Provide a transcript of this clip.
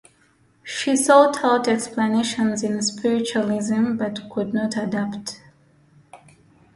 She sought out explanations in Spiritualism but could not adapt.